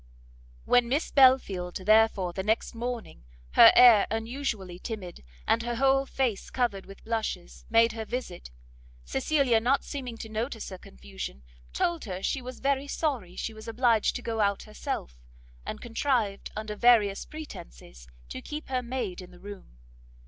When Miss Belfield, therefore, the next morning, her air unusually timid, and her whole face covered with blushes, made her visit, Cecilia, not seeming to notice her confusion, told her she was very sorry she was obliged to go out herself, and contrived, under various pretences, to keep her maid in the room.